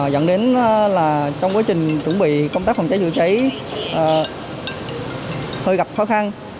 dẫn đến là trong quá trình chuẩn bị công tác phòng cháy chữa cháy hơi gặp khó khăn